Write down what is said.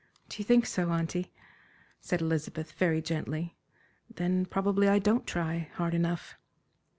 "Do you think so, auntie?" said Elizabeth, very gently. "Then probably I don't try hard enough."